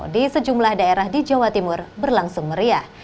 di sejumlah daerah di jawa timur berlangsung meriah